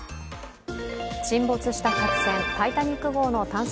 沈没した客船「タイタニック」号の探索